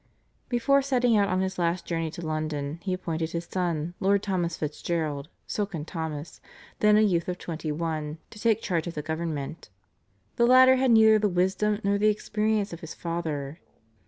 Before setting out on his last journey to London he appointed his son, Lord Thomas Fitzgerald (Silken Thomas), then a youth of twenty one, to take charge of the government. The latter had neither the wisdom nor the experience of his father.